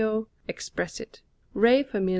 EXPRESSIT, RE FAMIL.